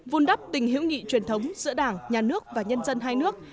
vun đắp tình hiểu nghị truyền thống giữa đảng nhà nước và nhân dân hai nước